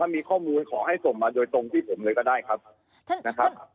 ถ้ามีข้อมูลขอให้ส่งมาโดยตรงที่ผมเลยก็ได้ครับ